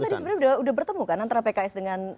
tapi tadi sebenarnya sudah bertemu kan antara pks dengan